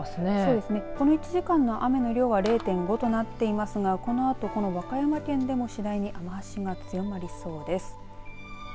この１時間の雨の量は０．５となっていますがこのあと、和歌山県でも次第に雨足が強まりそうです。